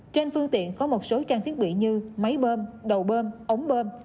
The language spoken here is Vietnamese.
trên phương tiện có một số trang thiết bị như máy bơm đầu bơm ống bơm